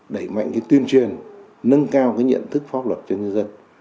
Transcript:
đẩy mạnh tuyên truyền nâng cao nhận thức pháp luật cho nhân dân